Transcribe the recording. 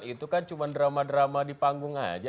itu kan cuma drama drama di panggung aja